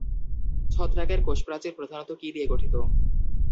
ছত্রাকের কোষপ্রাচীর প্রধানত কী দিয়ে গঠিত?